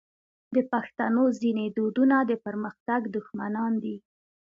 د پښتنو ځینې دودونه د پرمختګ دښمنان دي.